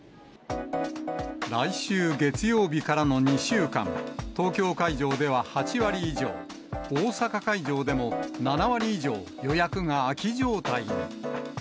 来週月曜日からの２週間、東京会場では８割以上、大阪会場でも７割以上、予約が空き状態に。